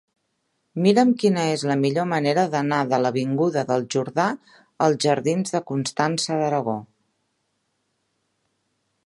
Mira'm quina és la millor manera d'anar de l'avinguda del Jordà als jardins de Constança d'Aragó.